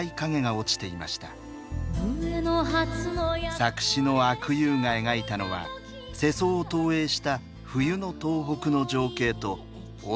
作詞の阿久悠が描いたのは世相を投影した冬の東北の情景と女の別れの言葉。